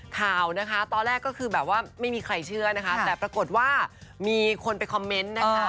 ข่าวนะคะตอนแรกก็คือแบบว่าไม่มีใครเชื่อนะคะแต่ปรากฏว่ามีคนไปคอมเมนต์นะคะ